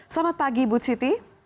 selamat pagi ibu siti